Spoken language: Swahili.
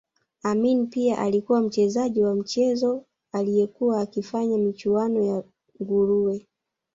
Amin pia alikuwa mchezaji wa michezo aliyekuwa akifanya michuano ya nguruwe